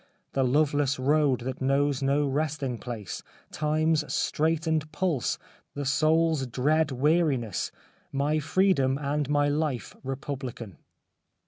The loveless road that knows no resting place, Time's straitened pulse, the soul's dread weariness, My freedom and my life republican.